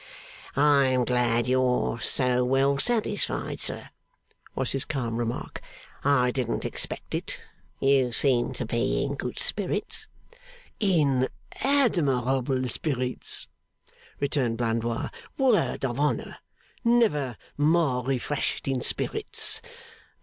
'I am glad you are so well satisfied, sir,' was his calm remark. 'I didn't expect it. You seem to be quite in good spirits.' 'In admirable spirits,' returned Blandois. 'Word of honour! never more refreshed in spirits.